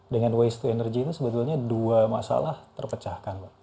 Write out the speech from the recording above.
dengan waste to energy itu sebetulnya dua masalah terpecahkan pak